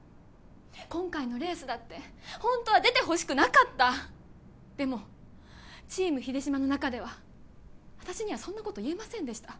今回のレースだってホントは出てほしくなかったでもチーム秀島の中では私にはそんなこと言えませんでした